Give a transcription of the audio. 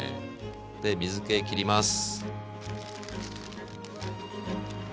で水けきります。